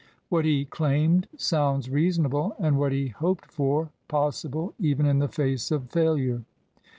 What he claimed sounds reasonable, and what he hoped for possible even in the face of failure.